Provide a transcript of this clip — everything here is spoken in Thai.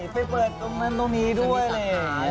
ไปเปิดตรงนั่นตรงนี้ด้วยเลย